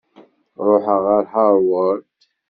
Ṛuḥeɣ ɣer Harvard.